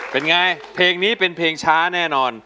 เป็นไงเพลงนี้เป็นเพลงช้าแน่นอน